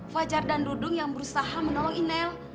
fajar dan dudung yang berusaha menolong inel